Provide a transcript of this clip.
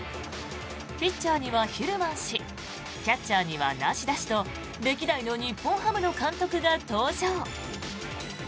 ピッチャーにはヒルマン氏キャッチャーには梨田氏と歴代の日本ハムの監督が登場。